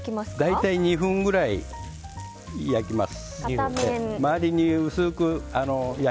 大体、２分ぐらい焼きます。